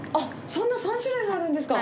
そんな３種類もあるんですか。